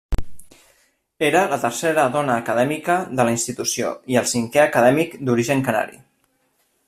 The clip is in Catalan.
Era la tercera dona acadèmica de la institució i el cinquè acadèmic d'origen canari.